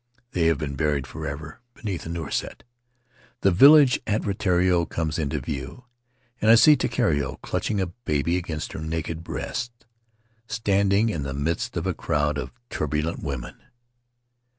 They have been buried forever beneath a newer set. The village at Rutiaro comes into view, and I see Takiero, clutching a baby against her naked breast, standing in the midst of a crowd of turbulent women.